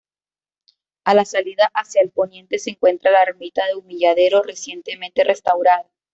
A la salida hacia el poniente se encuentra la ermita del Humilladero, recientemente restaurada.